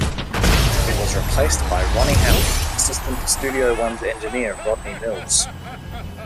He was replaced by Ronnie Hammond, assistant to Studio One's engineer Rodney Mills.